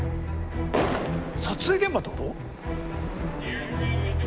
撮影現場ってこと？